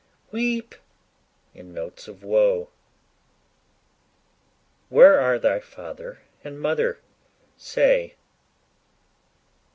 weep!' in notes of woe! 'Where are thy father and mother? Say!